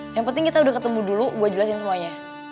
yang penting kita udah ketemu dulu buat jelasin semuanya